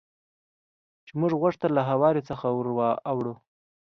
چې موږ غوښتل له هوارې څخه ور اوړو.